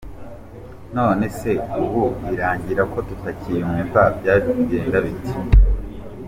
None se ubu Irangira ko tutakiyumva byaje kugenda bite?.